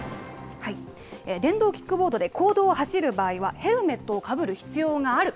電動キックボードで公道を走る場合は、ヘルメットをかぶる必要がある。